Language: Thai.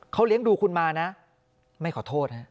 เขาเลี้ยงดูคุณมานะไม่ขอโทษฮะ